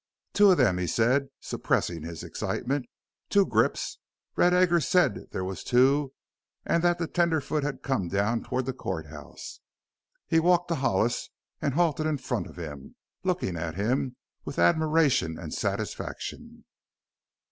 "Two of them!" he said, suppressing his excitement; "Two grips! Red Eggers said there was two an' that the tenderfoot had come down toward the court house!" He walked to Hollis and halted in front of him, looking at him with admiration and satisfaction.